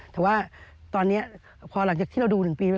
แต่ว่าตอนนี้พอหลังจากที่เราดู๑ปี